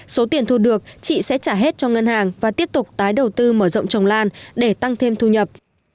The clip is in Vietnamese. số tiền thu được chị sẽ trả hết cho ngân hàng và tiếp tục tái đầu tư mở rộng trồng lan để tăng thêm thu nhập